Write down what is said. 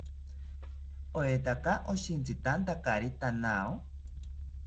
¿Oetaka oshitzitantakari thanao?